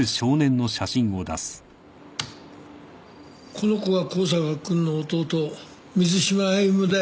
この子が香坂君の弟水島歩だよ。